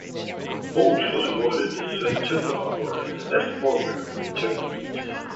Holtz was awarded the Sven Tumba award as the best forward of the tournament.